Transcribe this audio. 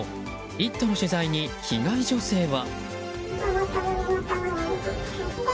「イット！」の取材に被害女性は？